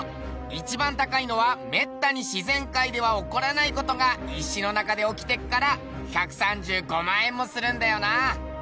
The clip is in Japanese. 一番高いのはめったに自然界では起こらない事が石の中で起きてっから１３５万円もするんだよな。